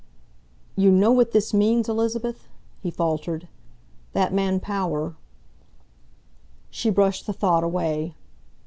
"You know what this means, Elizabeth?" he faltered. "That man Power " She brushed the thought away.